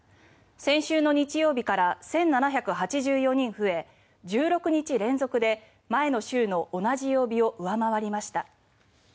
先週の日曜日から１７８４人増え１６日連続で前の週の同じ曜日を上回りました。